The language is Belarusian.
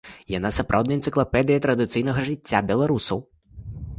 Яна сапраўдная энцыклапедыя традыцыйнага жыцця беларусаў.